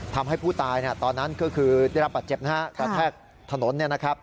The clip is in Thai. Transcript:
ทำให้ผู้ตายตอนนั้นก็คือได้รับบาดเจ็บนะฮะกระแทกถนน